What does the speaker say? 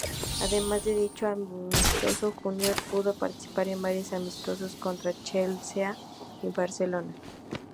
Además de dicho amistoso, Junior pudo participar en varios amistosos contra Chelsea y Barcelona.